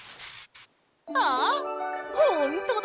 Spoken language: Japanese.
あっほんとだ！